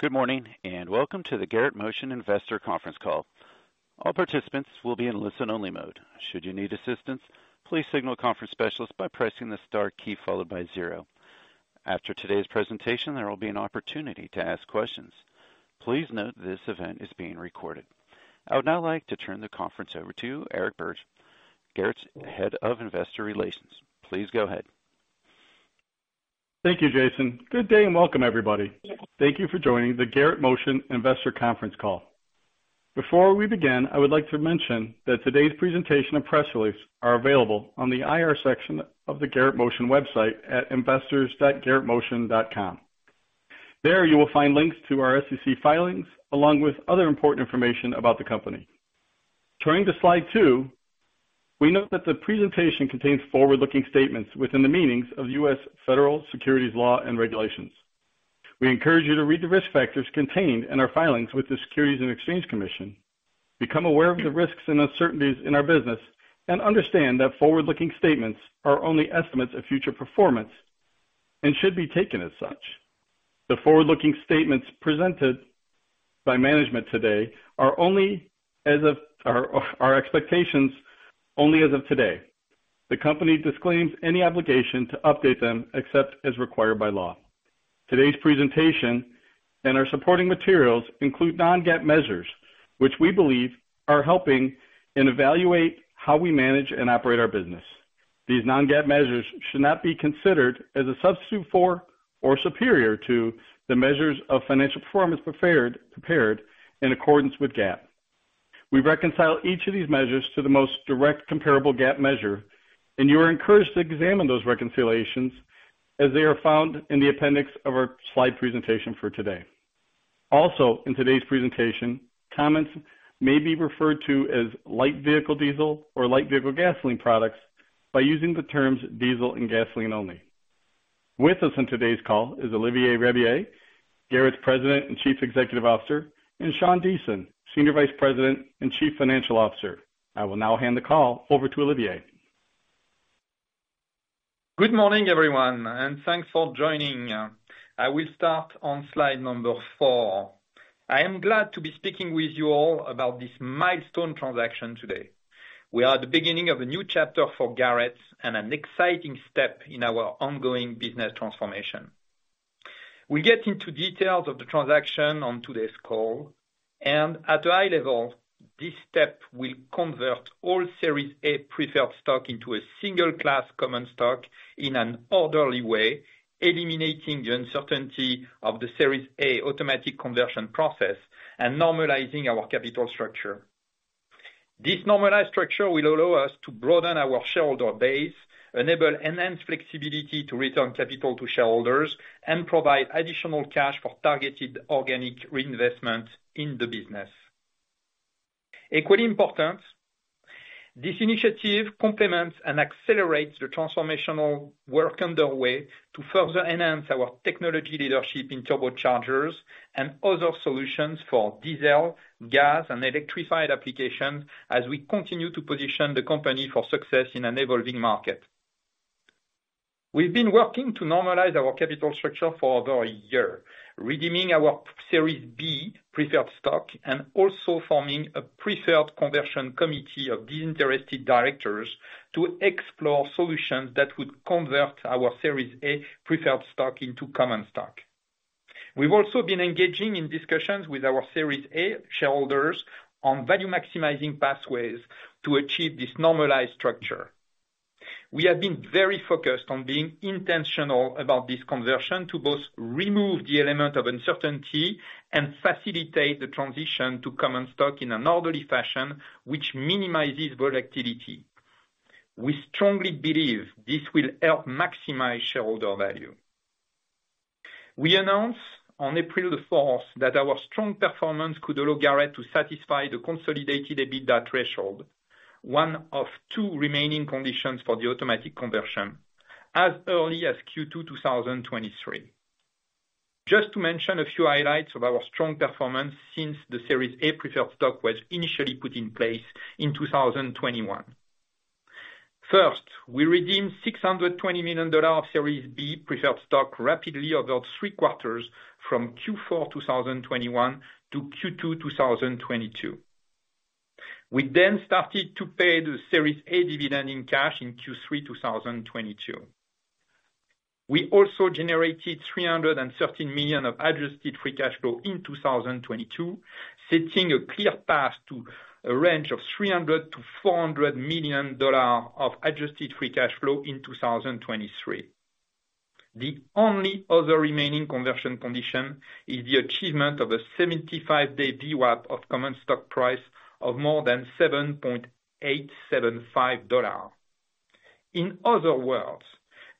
Good morning, welcome to the Garrett Motion Investor Conference Call. All participants will be in listen-only mode. Should you need assistance, please signal a conference specialist by pressing the star key followed by zero. After today's presentation, there will be an opportunity to ask questions. Please note this event is being recorded. I would now like to turn the conference over to Eric Birge, Garrett's Head of Investor Relations. Please go ahead. Thank you, Jason. Good day and welcome everybody. Thank you for joining the Garrett Motion Investor Conference Call. Before we begin, I would like to mention that today's presentation and press release are available on the IR section of the Garrett Motion website at investors.garrettmotion.com. There you will find links to our SEC filings along with other important information about the company. Turning to slide two, we note that the presentation contains forward-looking statements within the meanings of U.S. Federal Securities law and Regulations. We encourage you to read the risk factors contained in our filings with the Securities and Exchange Commission, become aware of the risks and uncertainties in our business, and understand that forward-looking statements are only estimates of future performance and should be taken as such. The forward-looking statements presented by management today are expectations only as of today. The company disclaims any obligation to update them except as required by law. Today's presentation and our supporting materials include non-GAAP measures, which we believe are helping and evaluate how we manage and operate our business. These non-GAAP measures should not be considered as a substitute for or superior to the measures of financial performance prepared in accordance with GAAP. We reconcile each of these measures to the most direct comparable GAAP measure. You are encouraged to examine those reconciliations as they are found in the appendix of our slide presentation for today. Also in today's presentation, comments may be referred to as light vehicle diesel or light vehicle gasoline products by using the terms diesel and gasoline only. With us on today's call is Olivier Rabiller, Garrett's President and Chief Executive Officer, and Sean Deason, Senior Vice President and Chief Financial Officer. I will now hand the call over to Olivier. Good morning, everyone, and thanks for joining. I will start on slide number four. I am glad to be speaking with you all about this milestone transaction today. We are at the beginning of a new chapter for Garrett and an exciting step in our ongoing business transformation. We'll get into details of the transaction on today's call, and at a high level, this step will convert all Series A Preferred Stock into a single class common stock in an orderly way, eliminating the uncertainty of the Series A automatic conversion process and normalizing our capital structure. This normalized structure will allow us to broaden our shareholder base, enable enhanced flexibility to return capital to shareholders, and provide additional cash for targeted organic reinvestment in the business. Equally important, this initiative complements and accelerates the transformational work underway to further enhance our technology leadership in turbochargers and other solutions for diesel, gas, and electrified applications as we continue to position the company for success in an evolving market. We've been working to normalize our capital structure for over a year, redeeming our Series B preferred stock and also forming a Preferred Conversion Committee of disinterested directors to explore solutions that would convert our Series A preferred stock into common stock. We've also been engaging in discussions with our Series A shareholders on value-maximizing pathways to achieve this normalized structure. We have been very focused on being intentional about this conversion to both remove the element of uncertainty and facilitate the transition to common stock in an orderly fashion which minimizes volatility. We strongly believe this will help maximize shareholder value. We announced on April the fourth that our strong performance could allow Garrett to satisfy the Consolidated EBITDA threshold, one of two remaining conditions for the automatic conversion as early as Q2 2023. Just to mention a few highlights of our strong performance since the Series A preferred stock was initially put in place in 2021. First, we redeemed $620 million of Series B preferred stock rapidly over three quarters from Q4 2021 to Q2 2022. We then started to pay the Series A dividend in cash in Q3 2022. We also generated $313 million of Adjusted Free Cash Flow in 2022, setting a clear path to a range of $300 million-$400 million of Adjusted Free Cash Flow in 2023. The only other remaining conversion condition is the achievement of a 75-day VWAP of common stock price of more than $7.875. In other words,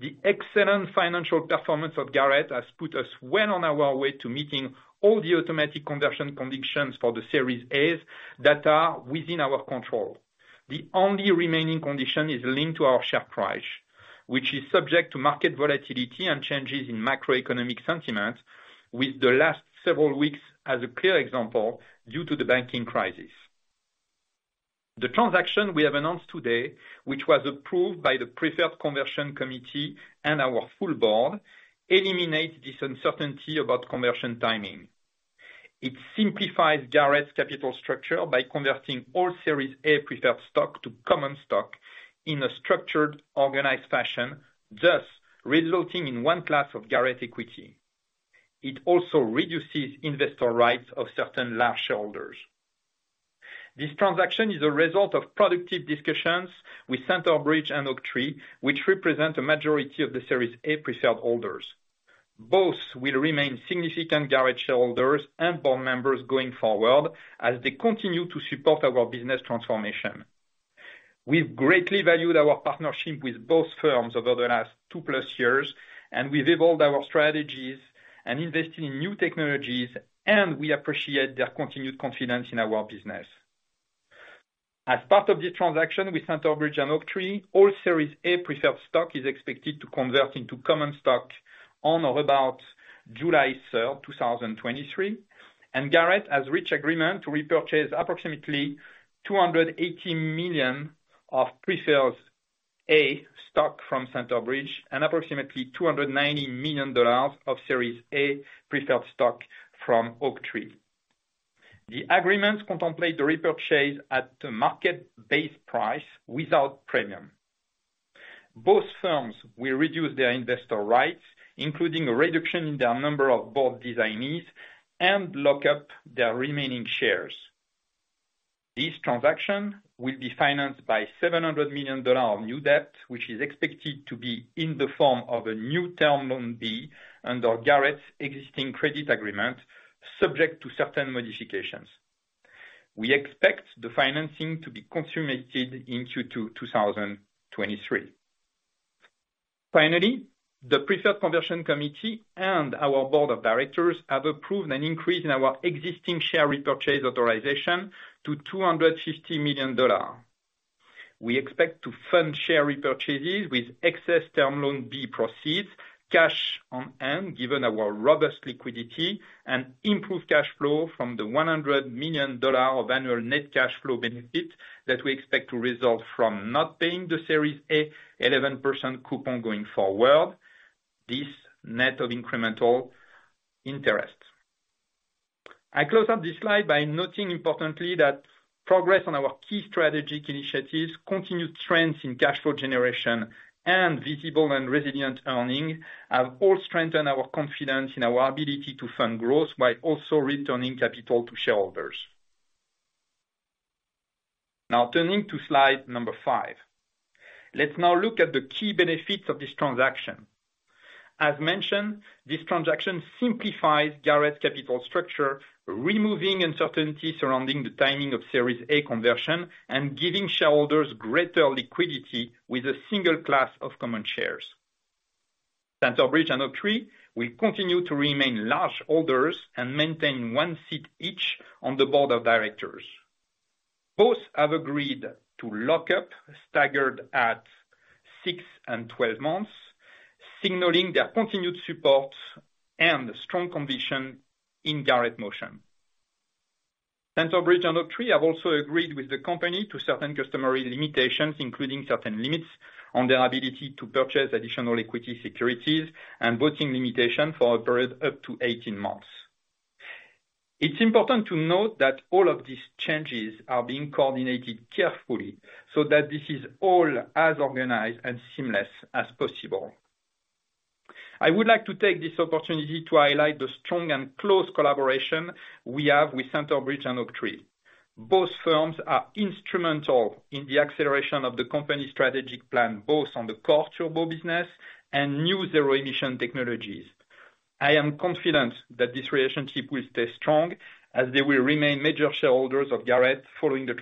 the excellent financial performance of Garrett has put us well on our way to meeting all the automatic conversion conditions for the Series A's that are within our control. The only remaining condition is linked to our share price, which is subject to market volatility and changes in macroeconomic sentiment with the last several weeks as a clear example due to the banking crisis. The transaction we have announced today, which was approved by the Preferred Conversion Committee and our full board, eliminates this uncertainty about conversion timing. It simplifies Garrett's capital structure by converting all Series A preferred stock to common stock in a structured, organized fashion, thus resulting in one class of Garrett equity. It also reduces investor rights of certain large shareholders. This transaction is a result of productive discussions with Centerbridge and Oaktree, which represent a majority of the Series A preferred holders. Both will remain significant Garrett shareholders and board members going forward as they continue to support our business transformation. We've greatly valued our partnership with both firms over the last two-plus years. We've evolved our strategies and invested in new technologies. We appreciate their continued confidence in our business. As part of the transaction with Centerbridge and Oaktree, all Series A preferred stock is expected to convert into common stock on or about July 3rd, 2023. Garrett has reached agreement to repurchase approximately $280 million of Series A preferred stock from Centerbridge and approximately $290 million of Series A preferred stock from Oaktree. The agreements contemplate the repurchase at the market-based price without premium. Both firms will reduce their investor rights, including a reduction in their number of board designees, and lock up their remaining shares. This transaction will be financed by $700 million of new debt, which is expected to be in the form of a new Term Loan B under Garrett's existing credit agreement, subject to certain modifications. We expect the financing to be consummated in Q2, 2023. Finally, the Preferred Conversion Committee and our board of directors have approved an increase in our existing share repurchase authorization to $250 million. We expect to fund share repurchases with excess Term Loan B proceeds, cash on hand, given our robust liquidity, and improved cash flow from the $100 million of annual net cash flow benefit that we expect to result from not paying the Series A 11% coupon going forward, this net of incremental interest. I close up this slide by noting importantly that progress on our key strategic initiatives, continued trends in cash flow generation, and visible and resilient earnings have all strengthened our confidence in our ability to fund growth while also returning capital to shareholders. Turning to slide number five. Let's now look at the key benefits of this transaction. As mentioned, this transaction simplifies Garrett's capital structure, removing uncertainty surrounding the timing of Series A conversion and giving shareholders greater liquidity with a single class of common shares. Centerbridge and Oaktree will continue to remain large holders and maintain one seat each on the board of directors. Both have agreed to lock up, staggered at six and 12 months, signaling their continued support and strong conviction in Garrett Motion. Centerbridge and Oaktree have also agreed with the company to certain customary limitations, including certain limits on their ability to purchase additional equity securities and voting limitation for a period up to 18 months. It's important to note that all of these changes are being coordinated carefully so that this is all as organized and seamless as possible. I would like to take this opportunity to highlight the strong and close collaboration we have with Centerbridge and Oaktree. Both firms are instrumental in the acceleration of the company's strategic plan, both on the core turbo business and new zero-emission technologies. I am confident that this relationship will stay strong as they will remain major shareholders of Garrett following the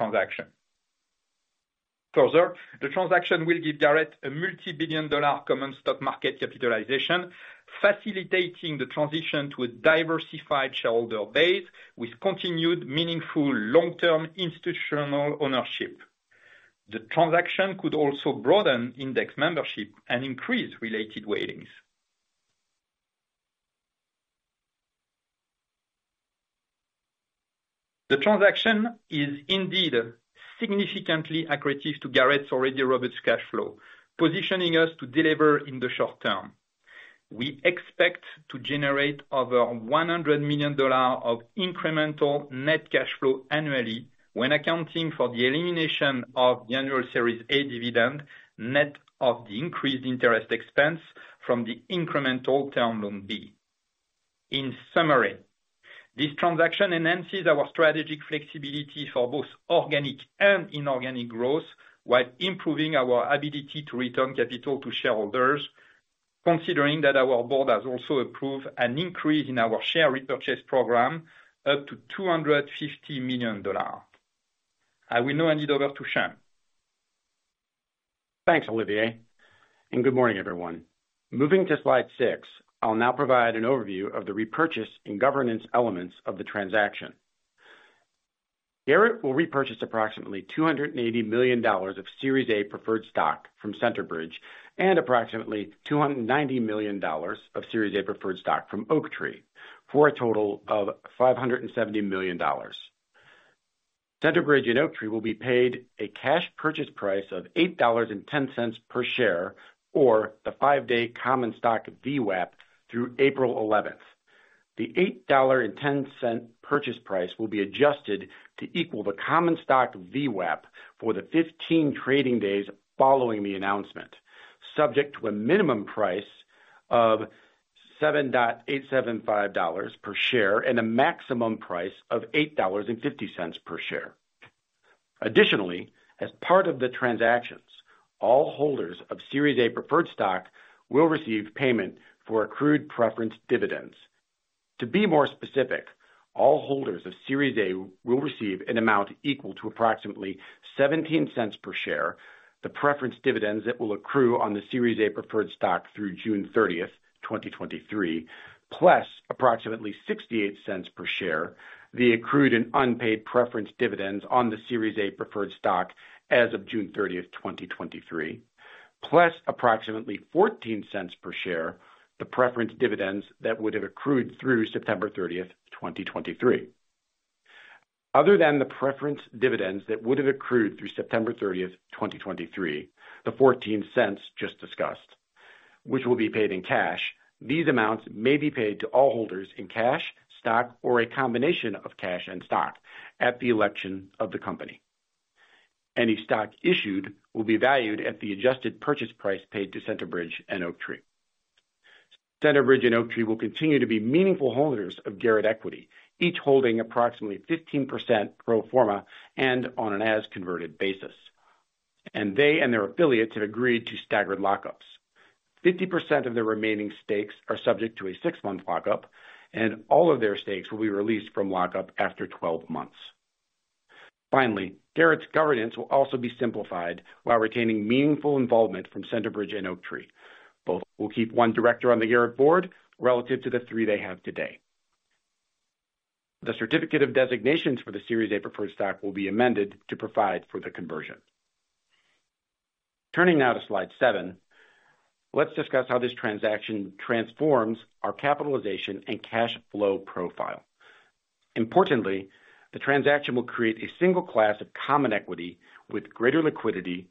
transaction. The transaction will give Garrett a multi-billion dollar common stock market capitalization, facilitating the transition to a diversified shareholder base with continued meaningful long-term institutional ownership. The transaction could also broaden index membership and increase related weightings. The transaction is indeed significantly accretive to Garrett's already robust cash flow, positioning us to deliver in the short term. We expect to generate over $100 million of incremental net cash flow annually when accounting for the elimination of the annual Series A dividend, net of the increased interest expense from the incremental Term Loan B. In summary, this transaction enhances our strategic flexibility for both organic and inorganic growth while improving our ability to return capital to shareholders, considering that our board has also approved an increase in our share repurchase program up to $250 million. I will now hand it over to Sean. Thanks, Olivier. Good morning, everyone. Moving to slide six, I'll now provide an overview of the repurchase and governance elements of the transaction. Garrett will repurchase approximately $280 million of Series A preferred stock from Centerbridge and approximately $290 million of Series A preferred stock from Oaktree, for a total of $570 million. Centerbridge and Oaktree will be paid a cash purchase price of $8.10 per share or the five-day common stock VWAP through April 11th. The $8.10 purchase price will be adjusted to equal the common stock VWAP for the 15 trading days following the announcement, subject to a minimum price of $7.875 per share and a maximum price of $8.50 per share. Additionally, as part of the transactions, all holders of Series A preferred stock will receive payment for accrued preference dividends. To be more specific, all holders of Series A will receive an amount equal to approximately $0.17 per share. The preference dividends that will accrue on the Series A preferred stock through June 30th, 2023, plus approximately $0.68 per share, the accrued and unpaid preference dividends on the Series A preferred stock as of June 30th, 2023, plus approximately $0.14 per share, the preference dividends that would have accrued through September 30th, 2023. Other than the preference dividends that would have accrued through September 30th, 2023, the $0.14 just discussed, which will be paid in cash, these amounts may be paid to all holders in cash, stock, or a combination of cash and stock at the election of the company. Any stock issued will be valued at the adjusted purchase price paid to Centerbridge and Oaktree. Centerbridge and Oaktree will continue to be meaningful holders of Garrett equity, each holding approximately 15% pro forma and on an as converted basis. They and their affiliates have agreed to staggered lockups. 50% of their remaining stakes are subject to a six-month lockup. All of their stakes will be released from lockup after 12 months. Garrett's governance will also be simplified while retaining meaningful involvement from Centerbridge and Oaktree. Both will keep one director on the Garrett board relative to the three they have today. The Certificate of Designations for the Series A preferred stock will be amended to provide for the conversion. Turning now to slide seven, let's discuss how this transaction transforms our capitalization and cash flow profile. Importantly, the transaction will create a single class of common equity with greater liquidity.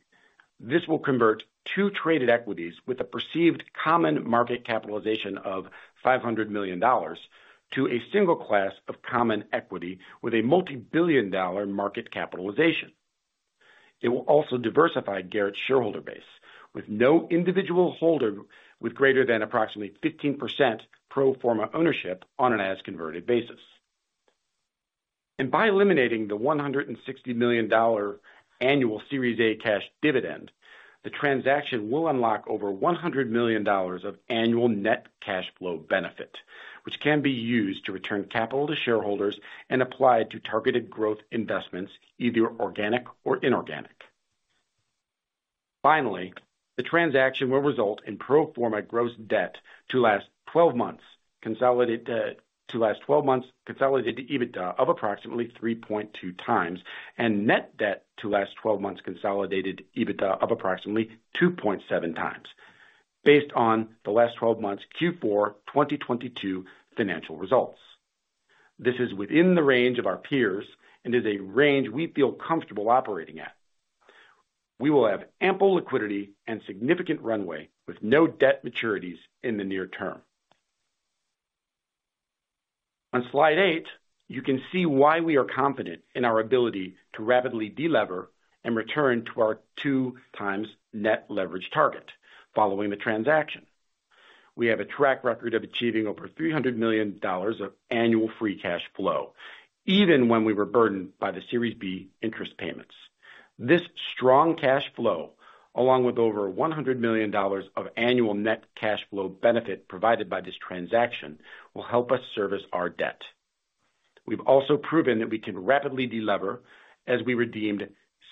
This will convert two traded equities with a perceived common market capitalization of $500 million to a single class of common equity with a multi-billion dollar market capitalization. It will also diversify Garrett's shareholder base with no individual holder with greater than approximately 15% pro forma ownership on an as converted basis. By eliminating the $160 million annual Series A cash dividend, the transaction will unlock over $100 million of annual net cash flow benefit, which can be used to return capital to shareholders and applied to targeted growth investments, either organic or inorganic. The transaction will result in pro forma gross debt to last twelve months Consolidated EBITDA of approximately 3.2x and net debt to last twelve months Consolidated EBITDA of approximately 2.7x based on the last twelve months Q4 2022 financial results. This is within the range of our peers and is a range we feel comfortable operating at. We will have ample liquidity and significant runway with no debt maturities in the near term. On slide eight, you can see why we are confident in our ability to rapidly delever and return to our 2x net leverage target following the transaction. We have a track record of achieving over $300 million of annual free cash flow even when we were burdened by the Series B interest payments. This strong cash flow, along with over $100 million of annual net cash flow benefit provided by this transaction, will help us service our debt. We've also proven that we can rapidly delever as we redeemed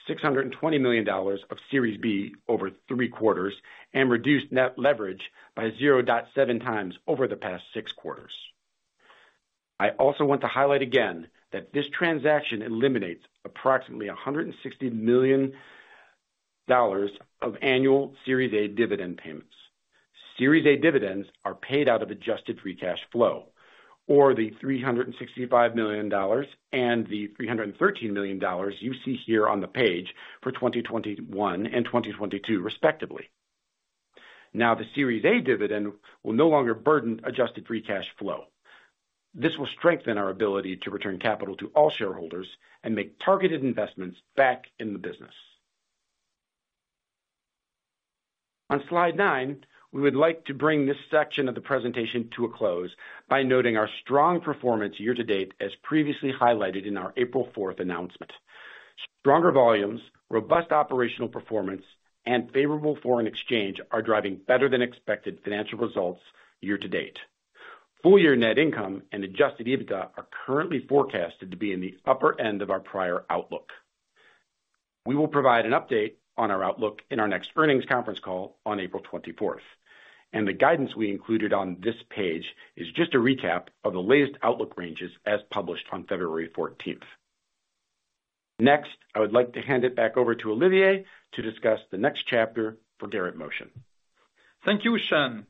$620 million of Series B over three quarters and reduced net leverage by 0.7x over the past six quarters. I also want to highlight again that this transaction eliminates approximately $160 million of annual Series A dividend payments. Series A dividends are paid out of Adjusted Free Cash Flow or the $365 million and the $313 million you see here on the page for 2021 and 2022 respectively. The Series A dividend will no longer burden Adjusted Free Cash Flow. This will strengthen our ability to return capital to all shareholders and make targeted investments back in the business. On slide nine, we would like to bring this section of the presentation to a close by noting our strong performance year to date as previously highlighted in our April 4th announcement. Stronger volumes, robust operational performance, and favorable foreign exchange are driving better than expected financial results year to date. Full year net income and Adjusted EBITDA are currently forecasted to be in the upper end of our prior outlook. We will provide an update on our outlook in our next earnings conference call on April 24th. The guidance we included on this page is just a recap of the latest outlook ranges as published on February 14th. Next, I would like to hand it back over to Olivier to discuss the next chapter for Garrett Motion. Thank you, Sean.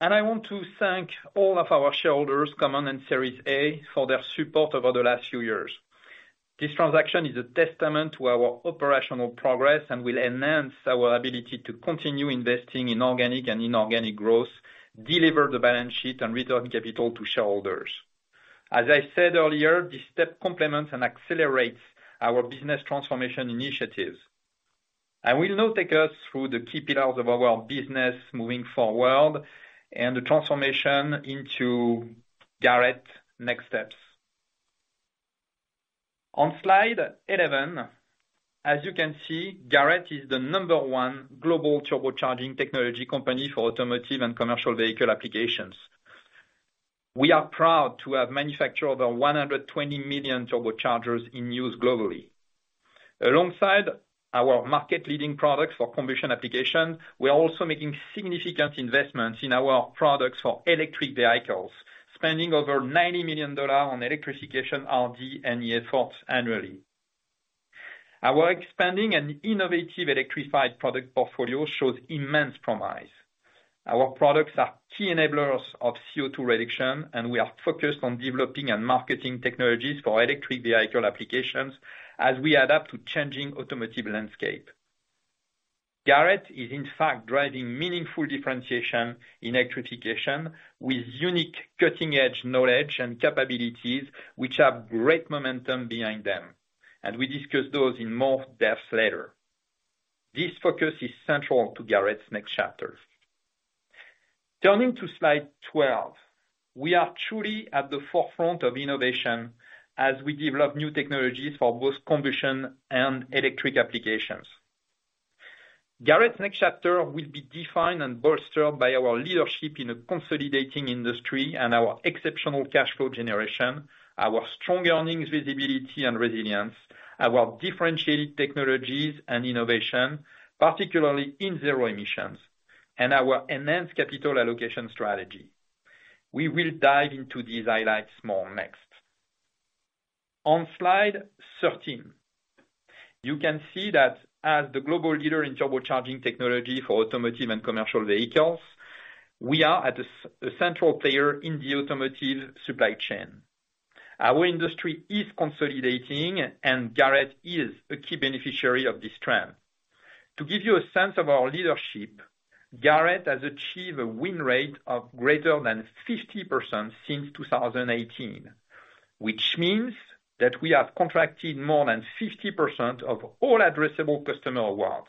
I want to thank all of our shareholders, common and Series A, for their support over the last few years. This transaction is a testament to our operational progress and will enhance our ability to continue investing in organic and inorganic growth, deliver the balance sheet and return capital to shareholders. As I said earlier, this step complements and accelerates our business transformation initiatives. I will now take us through the key pillars of our business moving forward and the transformation into Garrett next steps. On slide 11, as you can see, Garrett is the number one global turbocharging technology company for automotive and commercial vehicle applications. We are proud to have manufactured over 120 million turbochargers in use globally. Alongside our market-leading products for combustion application, we are also making significant investments in our products for electric vehicles, spending over $90 million on electrification RD&E efforts annually. Our expanding and innovative electrified product portfolio shows immense promise. Our products are key enablers of CO₂ reduction, we are focused on developing and marketing technologies for electric vehicle applications as we adapt to changing automotive landscape. Garrett is in fact driving meaningful differentiation in electrification with unique cutting-edge knowledge and capabilities which have great momentum behind them. We discuss those in more depth later. This focus is central to Garrett's next chapter. Turning to slide 12. We are truly at the forefront of innovation as we develop new technologies for both combustion and electric applications. Garrett's next chapter will be defined and bolstered by our leadership in a consolidating industry and our exceptional cash flow generation, our strong earnings visibility and resilience, our differentiated technologies and innovation, particularly in zero emissions, and our enhanced capital allocation strategy. We will dive into these highlights more next. On slide 13, you can see that as the global leader in turbocharging technology for automotive and commercial vehicles, we are at a central player in the automotive supply chain. Our industry is consolidating and Garrett is a key beneficiary of this trend. To give you a sense of our leadership, Garrett has achieved a win rate of greater than 50% since 2018, which means that we have contracted more than 50% of all addressable customer awards.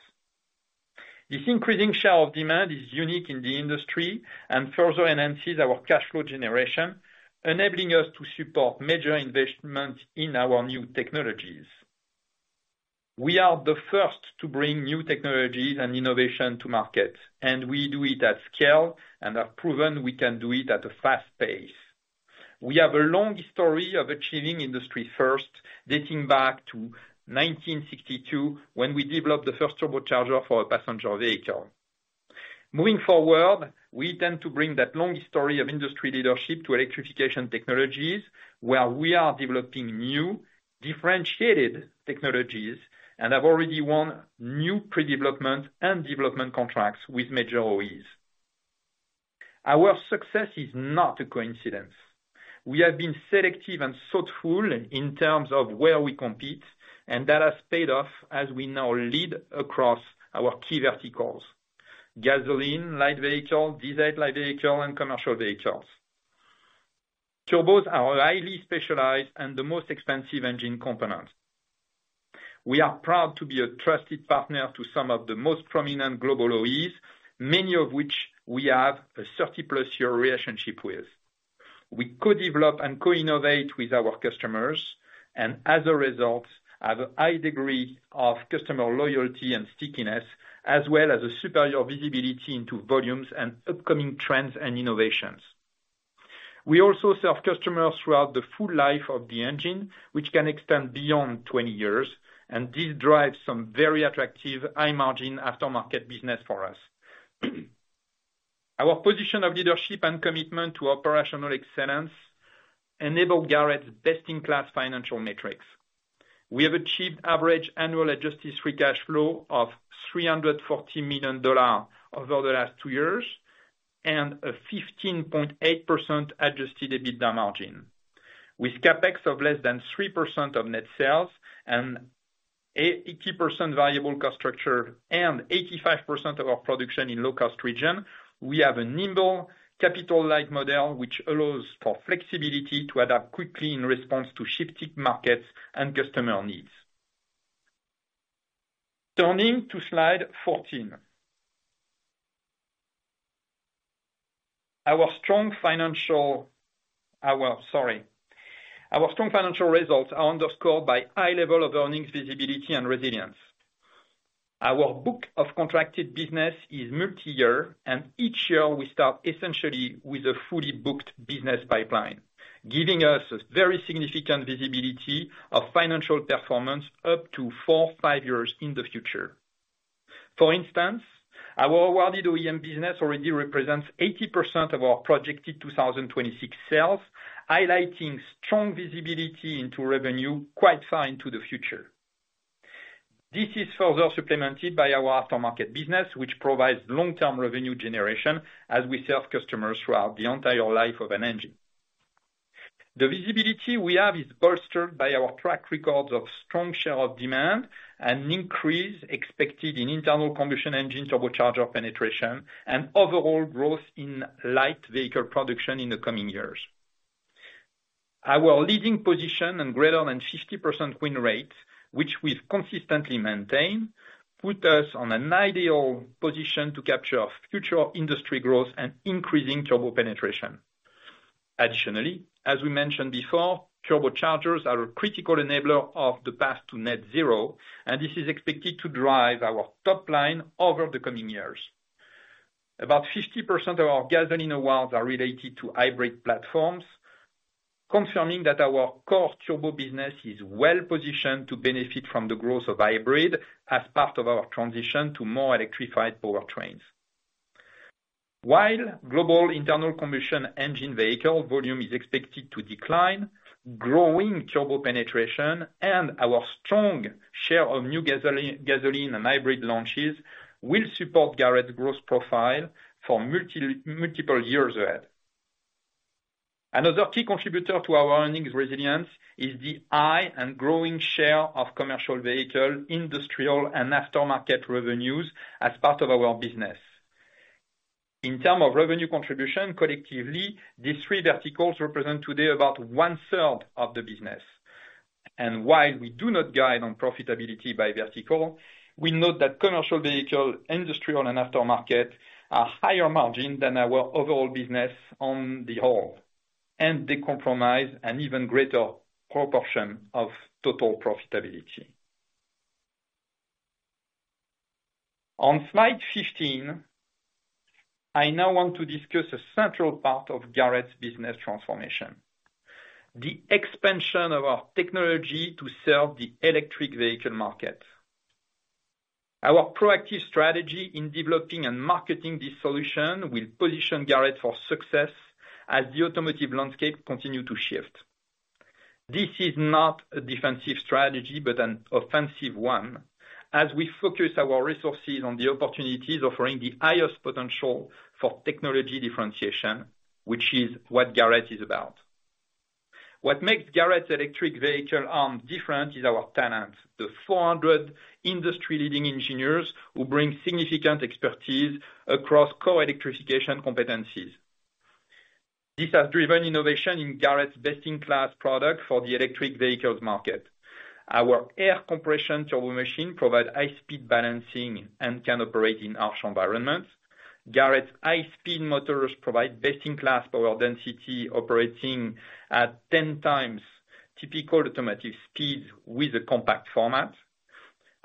This increasing share of demand is unique in the industry and further enhances our cash flow generation, enabling us to support major investments in our new technologies. We are the first to bring new technologies and innovation to market. We do it at scale and have proven we can do it at a fast pace. We have a long history of achieving industry first, dating back to 1962, when we developed the first turbocharger for a passenger vehicle. Moving forward, we intend to bring that long history of industry leadership to electrification technologies, where we are developing new differentiated technologies and have already won new pre-development and development contracts with major OEs. Our success is not a coincidence. We have been selective and thoughtful in terms of where we compete, and that has paid off as we now lead across our key verticals, gasoline, light vehicle, diesel light vehicle, and commercial vehicles. Turbos are highly specialized and the most expensive engine components. We are proud to be a trusted partner to some of the most prominent global OEs, many of which we have a 30+ year relationship with. We co-develop and co-innovate with our customers and as a result, have a high degree of customer loyalty and stickiness, as well as a superior visibility into volumes and upcoming trends and innovations. We also serve customers throughout the full life of the engine, which can extend beyond 20 years, and this drives some very attractive high margin aftermarket business for us. Our position of leadership and commitment to operational excellence enable Garrett's best in class financial metrics. We have achieved average annual Adjusted Free Cash Flow of $340 million over the last two years and a 15.8% Adjusted EBITDA margin. With CapEx of less than 3% of net sales and 80% variable cost structure and 85% of our production in low cost region, we have a nimble capital-light model which allows for flexibility to adapt quickly in response to shifting markets and customer needs. Turning to slide 14. Our strong financial results are underscored by high level of earnings visibility and resilience. Our book of contracted business is multi-year, and each year we start essentially with a fully booked business pipeline, giving us a very significant visibility of financial performance up to four or five years in the future. For instance, our awarded OEM business already represents 80% of our projected 2026 sales, highlighting strong visibility into revenue quite far into the future. This is further supplemented by our aftermarket business, which provides long-term revenue generation as we serve customers throughout the entire life of an engine. The visibility we have is bolstered by our track record of strong share of demand and increase expected in internal combustion engine turbocharger penetration and overall growth in light vehicle production in the coming years. Our leading position and greater than 60% win rate, which we've consistently maintained, put us on an ideal position to capture future industry growth and increasing turbo penetration. As we mentioned before, turbochargers are a critical enabler of the path to net zero, and this is expected to drive our top line over the coming years. About 50% of our gasoline awards are related to hybrid platforms, confirming that our core turbo business is well-positioned to benefit from the growth of hybrid as part of our transition to more electrified powertrains. While global internal combustion engine vehicle volume is expected to decline, growing turbo penetration and our strong share of new gasoline and hybrid launches will support Garrett's growth profile for multiple years ahead. Another key contributor to our earnings resilience is the high and growing share of commercial vehicle, industrial, and aftermarket revenues as part of our business. In term of revenue contribution collectively, these three verticals represent today about 1/3 of the business. While we do not guide on profitability by vertical, we note that commercial vehicle, industrial, and aftermarket are higher margin than our overall business on the whole, and they comprise an even greater proportion of total profitability. On slide 15, I now want to discuss a central part of Garrett's business transformation, the expansion of our technology to serve the electric vehicle market. Our proactive strategy in developing and marketing this solution will position Garrett for success as the automotive landscape continue to shift. This is not a defensive strategy, but an offensive one as we focus our resources on the opportunities offering the highest potential for technology differentiation, which is what Garrett is about. What makes Garrett's electric vehicle arm different is our talent. The 400 industry-leading engineers who bring significant expertise across core electrification competencies. This has driven innovation in Garrett's best-in-class product for the electric vehicles market. Our air compression turbomachine provide high-speed balancing and can operate in harsh environments. Garrett's high-speed motors provide best-in-class power density, operating at 10x typical automotive speeds with a compact format.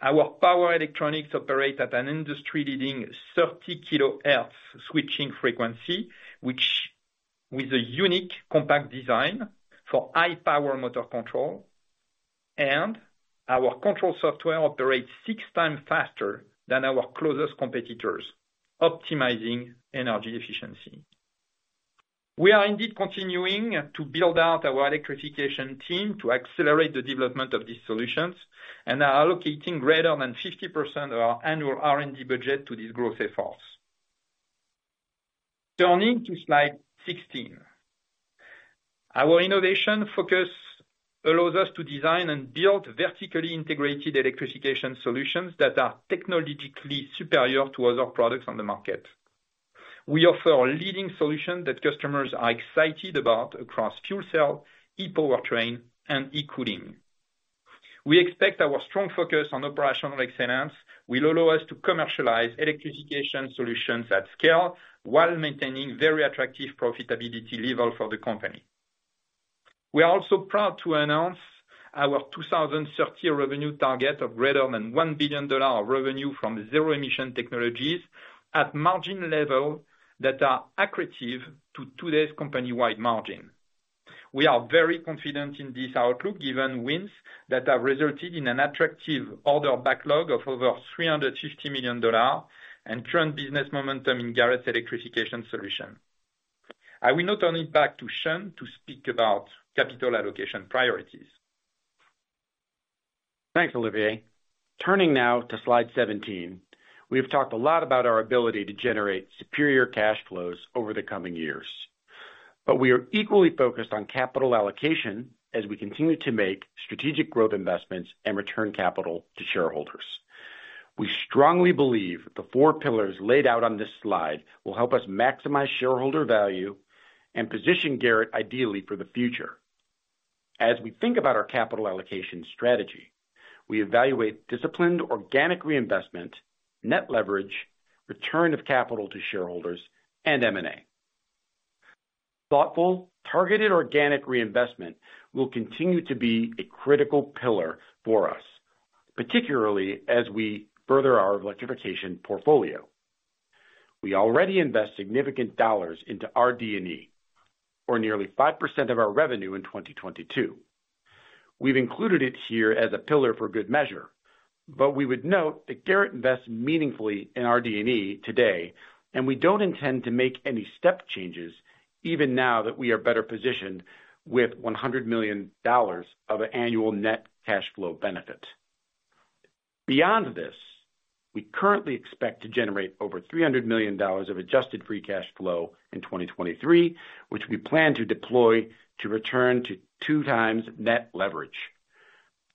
Our power electronics operate at an industry-leading 30 kA switching frequency, which with a unique compact design for high-power motor control, and our control software operates 6x faster than our closest competitors, optimizing energy efficiency. We are indeed continuing to build out our electrification team to accelerate the development of these solutions and are allocating greater than 50% of our annual R&D budget to these growth efforts. Turning to slide 16. Our innovation focus allows us to design and build vertically integrated electrification solutions that are technologically superior to other products on the market. We offer a leading solution that customers are excited about across Fuel Cell, E-Powertrain, and E-Cooling. We expect our strong focus on operational excellence will allow us to commercialize electrification solutions at scale while maintaining very attractive profitability level for the company. We are also proud to announce our 2030 revenue target of greater than $1 billion of revenue from zero-emission technologies at margin level that are accretive to today's company-wide margin. We are very confident in this outlook, given wins that have resulted in an attractive order backlog of over $350 million and current business momentum in Garrett's electrification solution. I will now turn it back to Sean to speak about capital allocation priorities. Thanks, Olivier. Turning now to slide 17. We have talked a lot about our ability to generate superior cash flows over the coming years, we are equally focused on capital allocation as we continue to make strategic growth investments and return capital to shareholders. We strongly believe the four pillars laid out on this slide will help us maximize shareholder value and position Garrett ideally for the future. As we think about our capital allocation strategy, we evaluate disciplined organic reinvestment, net leverage, return of capital to shareholders, and M&A. Thoughtful, targeted organic reinvestment will continue to be a critical pillar for us, particularly as we further our electrification portfolio. We already invest significant dollars into RD&E or nearly 5% of our revenue in 2022. We've included it here as a pillar for good measure, but we would note that Garrett invests meaningfully in RD&E today, and we don't intend to make any step changes even now that we are better positioned with $100 million of annual net cash flow benefit. Beyond this, we currently expect to generate over $300 million of Adjusted Free Cash Flow in 2023, which we plan to deploy to return to 2x net leverage,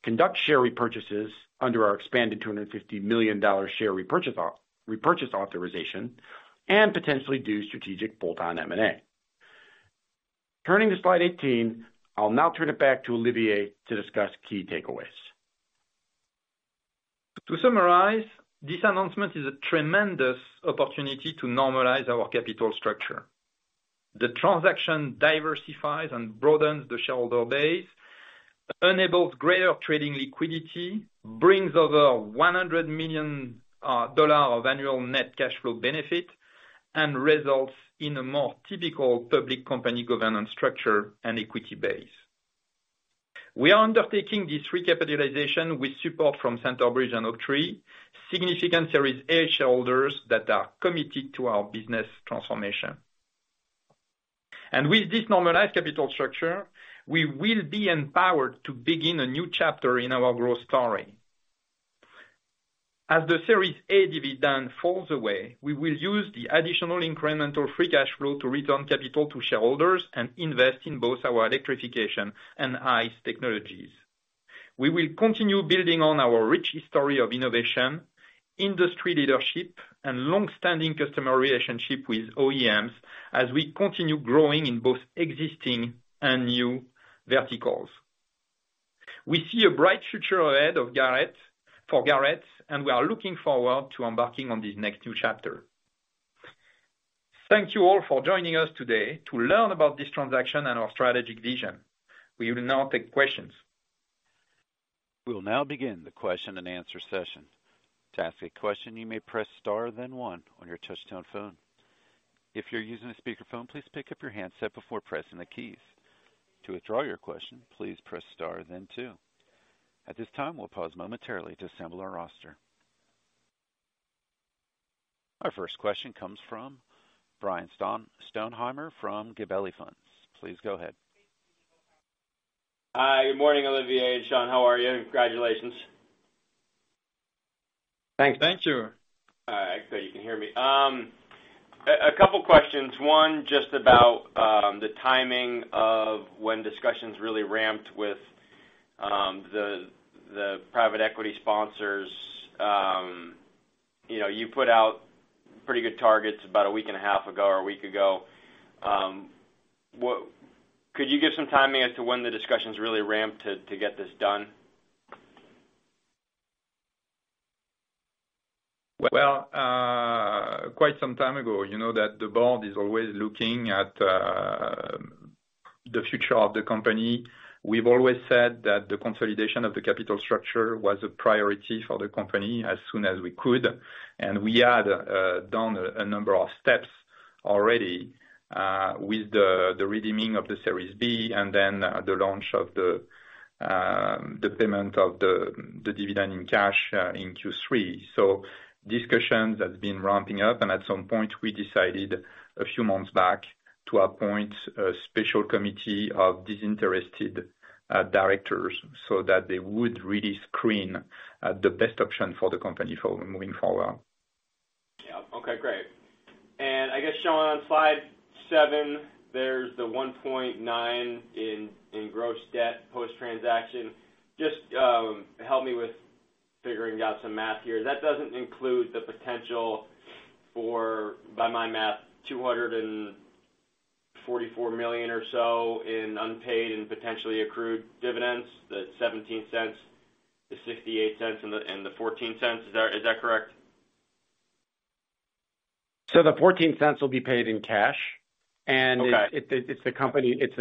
conduct share repurchases under our expanded $250 million share repurchase authorization, and potentially do strategic bolt-on M&A. Turning to slide 18, I'll now turn it back to Olivier to discuss key takeaways. To summarize, this announcement is a tremendous opportunity to normalize our capital structure. The transaction diversifies and broadens the shareholder base, enables greater trading liquidity, brings over $100 million of annual net cash flow benefit and results in a more typical public company governance structure and equity base. We are undertaking this recapitalization with support from Centerbridge and Oaktree, significant Series A shareholders that are committed to our business transformation. With this normalized capital structure, we will be empowered to begin a new chapter in our growth story. As the Series A dividend falls away, we will use the additional incremental free cash flow to return capital to shareholders and invest in both our electrification and ICE technologies. We will continue building on our rich history of innovation, industry leadership, and long-standing customer relationship with OEMs as we continue growing in both existing and new verticals. We see a bright future ahead of Garrett, for Garrett, and we are looking forward to embarking on this next new chapter. Thank you all for joining us today to learn about this transaction and our strategic vision. We will now take questions. We will now begin the question-and-answer session. To ask a question, you may press star then one on your touchtone phone. If you're using a speakerphone, please pick up your handset before pressing the keys. To withdraw your question, please press star then two. At this time, we'll pause momentarily to assemble our roster. Our first question comes from Brian Sponheimer from Gabelli Funds. Please go ahead. Hi, good morning, Olivier and Sean. How are you? Congratulations. Thanks. Thank you. All right. You can hear me. A couple questions. One, just about the timing of when discussions really ramped with the private equity sponsors. You know, you put out pretty good targets about a week and a half ago or a week ago. Could you give some timing as to when the discussions really ramped to get this done? Well, quite some time ago, you know that the board is always looking at the future of the company. We've always said that the consolidation of the capital structure was a priority for the company as soon as we could. We had done a number of steps already with the redeeming of the Series B and then the launch of the payment of the dividend in cash in Q3. Discussions had been ramping up, and at some point, we decided a few months back to appoint a special committee of disinterested directors so that they would really screen the best option for the company for moving forward. Yeah. Okay, great. I guess, Sean, on slide seven, there's the $1.9 in gross debt post-transaction. Just help me with figuring out some math here. That doesn't include the potential for, by my math, $244 million or so in unpaid and potentially accrued dividends, the $0.17, the $0.68 and the $0.14. Is that correct? The $0.14 will be paid in cash. Okay. It's the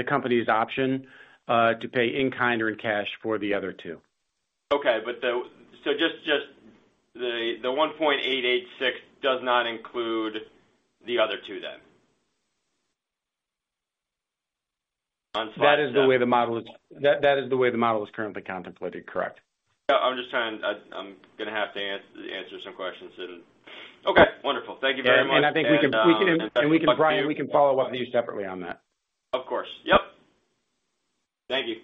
company's option to pay in kind or in cash for the other two. Okay. just the $1.886 does not include the other two then? On slide seven. That is the way the model is, that is the way the model is currently contemplated, correct. Yeah, I'm gonna have to answer some questions. Okay, wonderful. Thank you very much. I think we can, Brian, we can follow up with you separately on that. Of course. Yep. Thank you.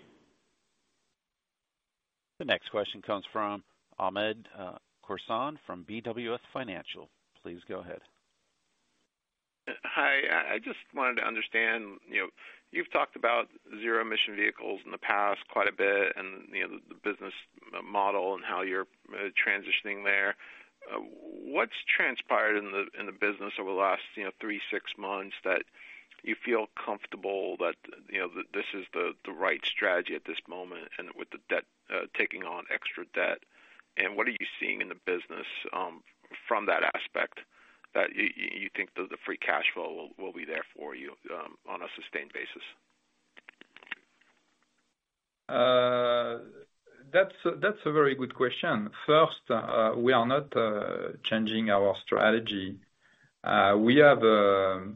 The next question comes from Hamed Khorsand, from BWS Financial. Please go ahead. Hi. I just wanted to understand, you know, you've talked about zero-emission vehicles in the past quite a bit and, you know, the business model and how you're transitioning there. What's transpired in the business over the last, you know, three, six months that you feel comfortable that, you know, this is the right strategy at this moment and with the debt taking on extra debt? What are you seeing in the business from that aspect that you think the free cash flow will be there for you on a sustained basis? That's a very good question. First, we are not changing our strategy. We have a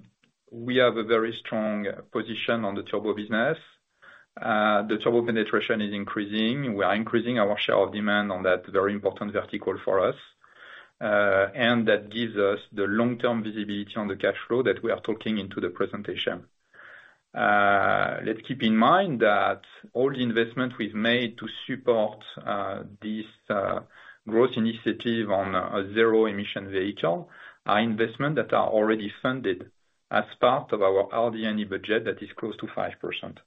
very strong position on the turbo business. The turbo penetration is increasing. We are increasing our share of demand on that very important vertical for us. That gives us the long-term visibility on the cash flow that we are talking into the presentation. Let's keep in mind that all the investment we've made to support this growth initiative on a zero emission vehicle are investment that are already funded as part of our RD&E budget that is close to 5%.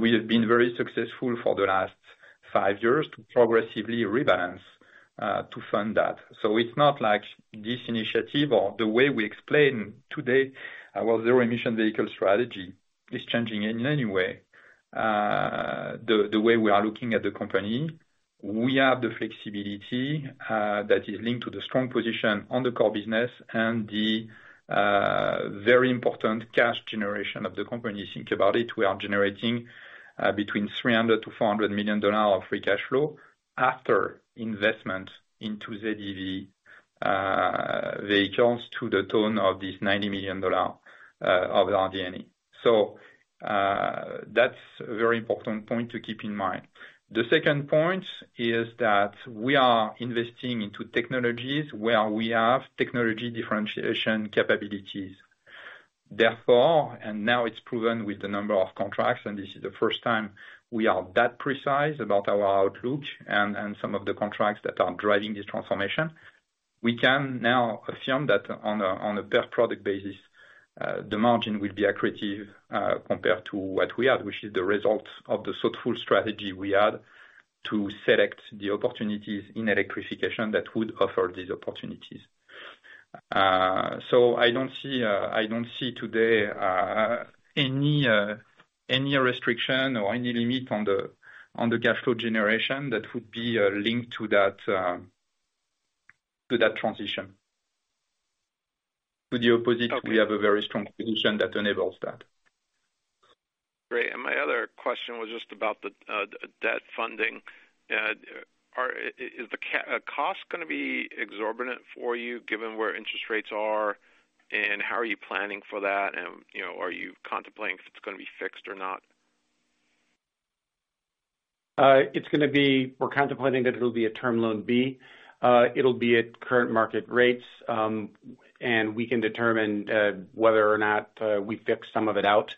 We have been very successful for the last five years to progressively rebalance to fund that. It's not like this initiative or the way we explain today our zero emission vehicle strategy is changing in any way, the way we are looking at the company. We have the flexibility that is linked to the strong position on the core business and the very important cash generation of the company. You think about it, we are generating between $300 million-$400 million of free cash flow after investment into ZEV vehicles to the tune of this $90 million of RD&E. That's a very important point to keep in mind. The second point is that we are investing into technologies where we have technology differentiation capabilities. Therefore, and now it's proven with the number of contracts, and this is the first time we are that precise about our outlook and some of the contracts that are driving this transformation. We can now assume that on a per product basis, the margin will be accretive, compared to what we had, which is the result of the thoughtful strategy we had to select the opportunities in electrification that would offer these opportunities. I don't see today, any restriction or any limit on the cash flow generation that would be linked to that transition. To the opposite we have a very strong position that enables that. Great. My other question was just about the debt funding. Is the cost gonna be exorbitant for you given where interest rates are, and how are you planning for that? You know, are you contemplating if it's gonna be fixed or not? We're contemplating that it'll be a Term Loan B. It'll be at current market rates, and we can determine whether or not we fix some of it out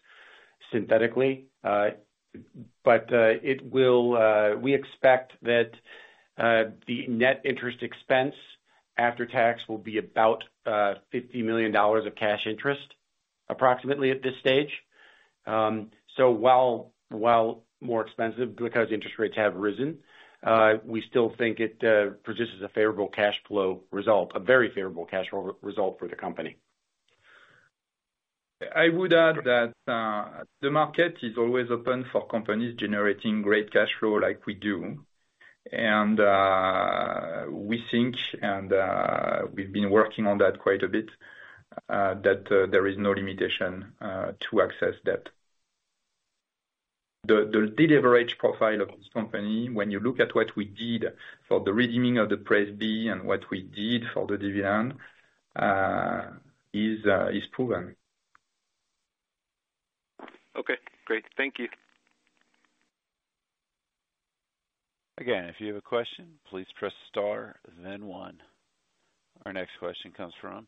synthetically. It will, we expect that the net interest expense after tax will be about $50 million of cash interest approximately at this stage. While more expensive because interest rates have risen, we still think it produces a favorable cash flow result, a very favorable cash result for the company. I would add that, the market is always open for companies generating great cash flow like we do. We think and we've been working on that quite a bit, that there is no limitation to access that. The de-leverage profile of this company, when you look at what we did for the redeeming of the Series B and what we did for the dividend, is proven. Okay, great. Thank you. If you have a question, please press star then one. Our next question comes from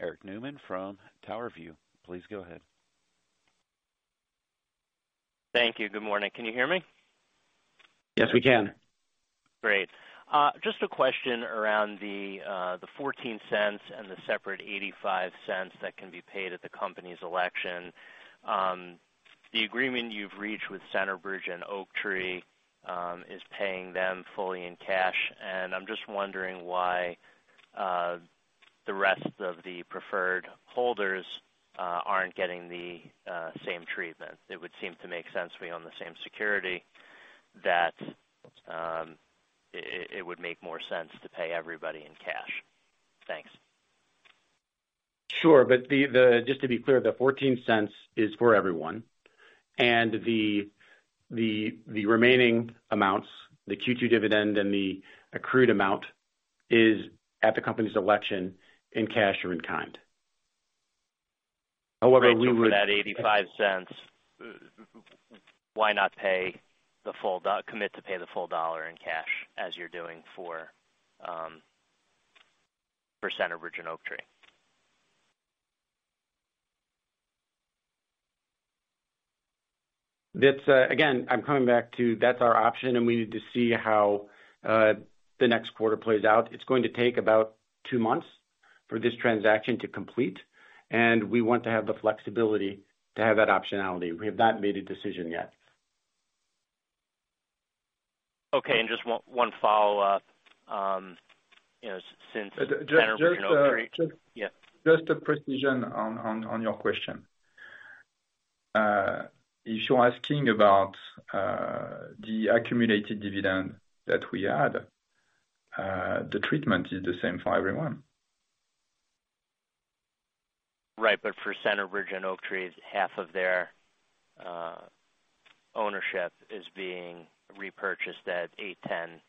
Eric Newman from TowerView. Please go ahead. Thank you. Good morning. Can you hear me? Yes, we can. Great. Just a question around the $0.14 and the separate $0.85 that can be paid at the company's election. The agreement you've reached with Centerbridge and Oaktree is paying them fully in cash. I'm just wondering why the rest of the preferred holders aren't getting the same treatment. It would seem to make sense, we own the same security that it would make more sense to pay everybody in cash. Thanks. Sure. Just to be clear, the $0.14 is for everyone. The remaining amounts, the Q2 dividend and the accrued amount, is at the company's election in cash or in kind. We would. Great. for that $0.85, why not commit to pay the full dollar in cash as you're doing for Centerbridge and Oaktree? That's, again, I'm coming back to that's our option, and we need to see how the next quarter plays out. It's going to take about two months for this transaction to complete, and we want to have the flexibility to have that optionality. We have not made a decision yet. Okay. And just one follow-up, you know, since Centerbridge and Oaktree. Just a precision on your question. If you're asking about the accumulated dividend that we had, the treatment is the same for everyone. Right. For Centerbridge and Oaktree, half of their ownership is being repurchased at $8.10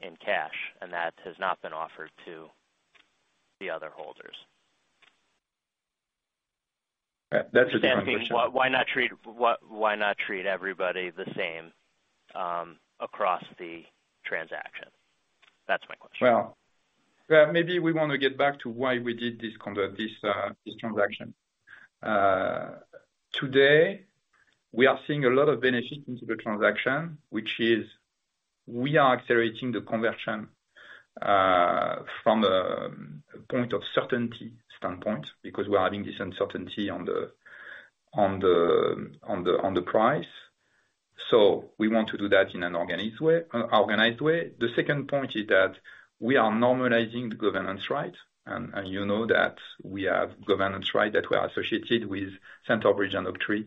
in cash. That has not been offered to the other holders. That's a different question. I'm saying why not treat, why not treat everybody the same across the transaction? That's my question. Yeah, maybe we want to get back to why we did this transaction. Today we are seeing a lot of benefit into the transaction, which is we are accelerating the conversion from a point of certainty standpoint, because we're having this uncertainty on the price. We want to do that in an organized way. The second point is that we are normalizing the governance rights. You know that we have governance rights that were associated with Centerbridge and Oaktree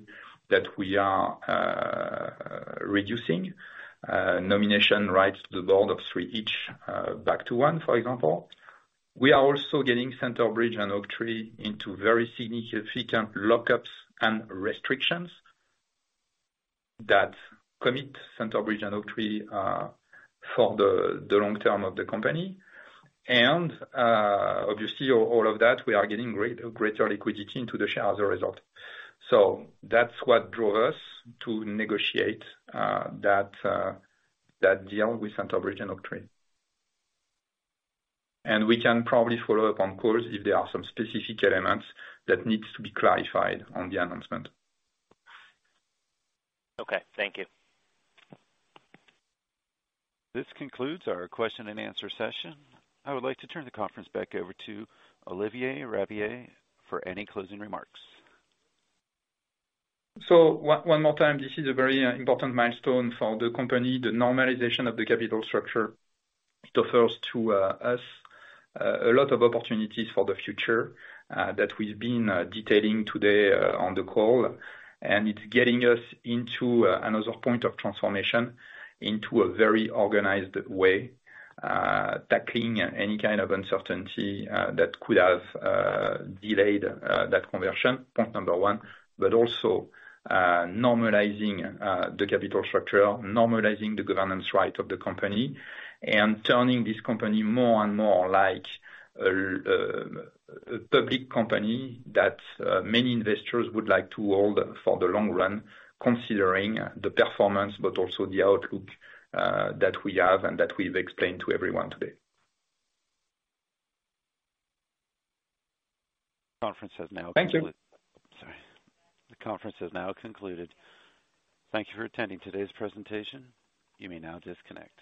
that we are reducing nomination rights to the board of three each back to one, for example. We are also getting Centerbridge and Oaktree into very significant lockups and restrictions that commit Centerbridge and Oaktree for the long term of the company. obviously all of that, we are getting greater liquidity into the share as a result. That's what drove us to negotiate that deal with Centerbridge and Oaktree. We can probably follow up on calls if there are some specific elements that needs to be clarified on the announcement. Okay, thank you. This concludes our question and answer session. I would like to turn the conference back over to Olivier Rabiller for any closing remarks. One more time, this is a very important milestone for the company, the normalization of the capital structure. It offers to us a lot of opportunities for the future that we've been detailing today on the call. It's getting us into another point of transformation into a very organized way, tackling any kind of uncertainty that could have delayed that conversion, point number one. Also, normalizing the capital structure, normalizing the governance right of the company, and turning this company more and more like a public company that many investors would like to hold for the long run, considering the performance, but also the outlook that we have and that we've explained to everyone today. Conference has now. Thank you. Sorry. The conference has now concluded. Thank you for attending today's presentation. You may now disconnect.